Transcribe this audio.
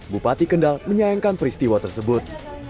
bupati kendal menyayangkan peristiwa tersebut